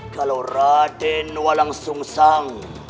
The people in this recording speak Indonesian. kalau raden walau susah